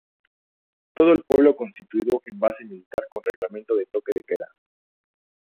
Todo el pueblo constituido en base militar con reglamento de toque de queda.